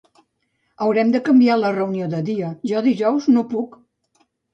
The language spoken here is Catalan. Haurem de canviar la reunió de dia, jo dijous no puc.